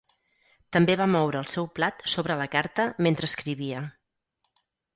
També va moure el seu plat sobre la carta mentre escrivia.